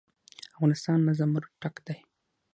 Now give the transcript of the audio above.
افغانستان له زمرد ډک دی.